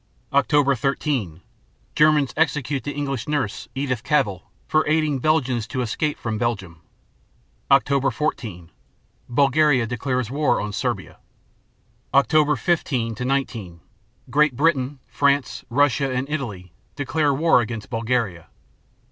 Oct. 13 Germans execute the English nurse, Edith Cavell, for aiding Belgians to escape from Belgium. Oct. 14 Bulgaria declares war on Serbia. Oct. 15 19 Great Britain, France, Russia, and Italy declare war against Bulgaria.